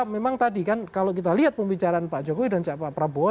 memang tadi kan kalau kita lihat pembicaraan pak jokowi dan pak prabowo